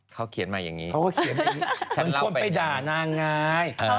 เขาเขียนมาอย่างนี้เขาก็เขียนแบบนี้เหมือนควรไปด่าน่าไง